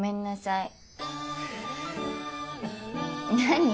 何？